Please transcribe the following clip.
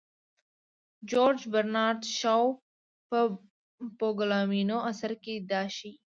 جورج برنارد شاو په پوګمالیون اثر کې دا ښيي.